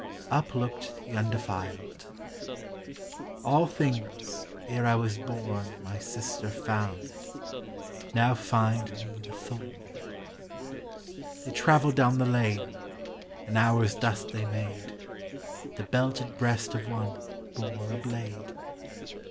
Uplooked the undefiled: "All things, ere I was born My sister found; now find Me the thorn." They travelled down the lane, An hour's dust they made: The belted breast of one Bore a blade.